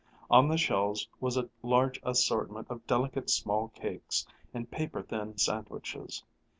On the shelves was a large assortment of delicate, small cakes and paper thin sandwiches.